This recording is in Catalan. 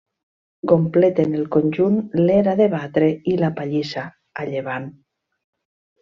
Completen el conjunt l'era de batre i la pallissa, a llevant.